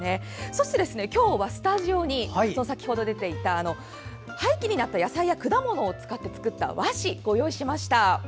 そして今日はスタジオに廃棄になった野菜や果物を使って作った和紙をご用意しました。